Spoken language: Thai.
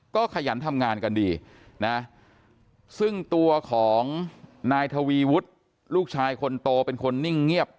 ก็ขยันทำงานกันดีนะซึ่งตัวของนายทวีวุฒิลูกชายคนโตเป็นคนนิ่งเงียบ